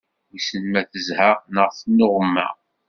Wissen ma tezha, neɣ tennuɣna.